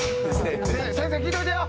先生聴いといてよ！